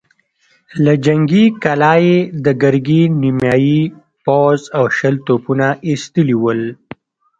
له جنګي کلا يې د ګرګين نيمايي پوځ او شل توپونه ايستلي ول.